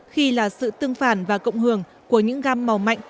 khi là sự tương phản và cộng hưởng của những gam màu mạnh